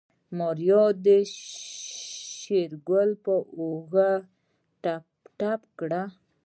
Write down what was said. ماريا د شېرګل په اوږه ټپي کړه.